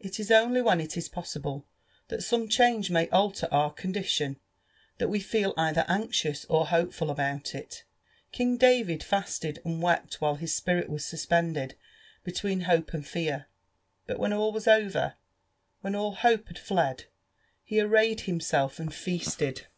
It is only when it is possible that some change may alter our condition that we feel either anxious or hopeful about it. King David fasted and wept while his spirit was suspended between hope and fear; but when all was over — when all hope had fled, ho arrayed himself and feasted.